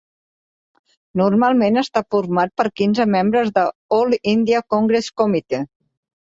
Normalment està format per quinze membres de All India Congress Committee.